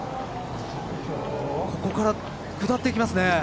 ここから下っていきますね。